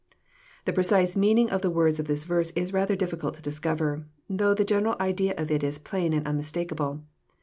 The precise meaning of the words of this verse is rather dif ficult to discover, though the general idea of it is plain and un mistakable.